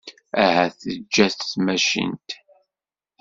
Ahat teǧǧa-t tmacint.